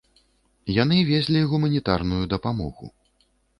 Яны везлі гуманітарную дапамогу.